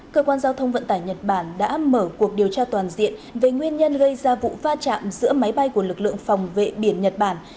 cơ quan giao thông vận tải nhật bản đã mở cuộc điều tra toàn diện về nguyên nhân gây ra vụ va chạm giữa máy bay của lực lượng phòng vệ biển nhật bản